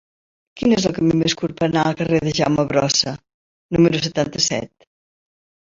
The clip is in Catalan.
Quin és el camí més curt per anar al carrer de Jaume Brossa número setanta-set?